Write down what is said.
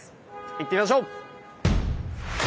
行ってみましょう！